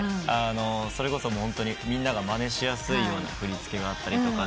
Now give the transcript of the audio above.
それこそホントにみんながまねしやすいような振り付けがあったりとかで。